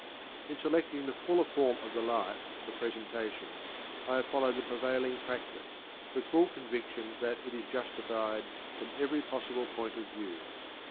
In select ing the fuller form of the Life for presentation I have followed the prevailing practice, with full con viction that it is justified from every possible point of view.